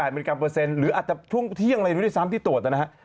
มิลลิกรัมเปอร์เซ็นต์หรืออาจจะช่วงเที่ยงอะไรรู้ด้วยซ้ำที่ตรวจนะฮะ